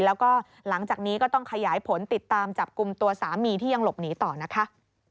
แล้วก็หลังจากนี้ก็ต้องขยายผลติดตามจับกลุ่มตัวสามีที่ยังหลบหนีต่อนะคะ